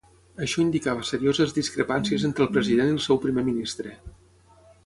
Això indicava serioses discrepàncies entre el president i el seu primer ministre.